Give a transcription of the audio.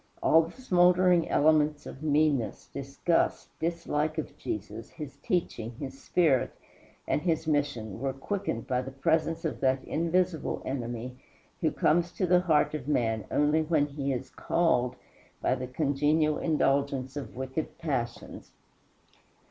All the smouldering elements of meanness, disgust, dislike of Jesus, his teaching, his spirit, and his mission were quickened by the presence of that invisible enemy who comes to the heart of man only when he is called by the congenial indulgence of wicked passions.